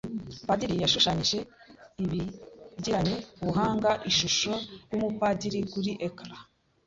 Padiri yashushanyije abigiranye ubuhanga ishusho yumupadiri kuri ecran.